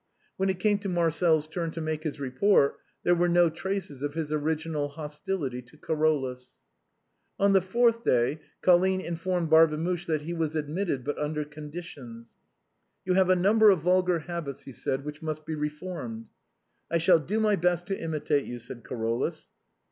When it came to Marcel's turn to make his report, there were no traces of his original hostility to Carolus. On the fourth day, Colline informed Barbemuche that he was admitted, but under conditions. " You have a num ber of vulgar habits," he said, " which must be reformed." " I shall do my best to imitate you," said Carolus.